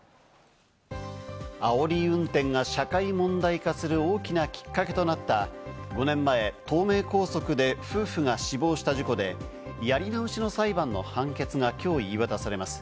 あおり運転が社会問題化する大きなきっかけとなった、５年前、東名高速で夫婦が死亡した事故で、やり直しの裁判の判決が今日言い渡されます。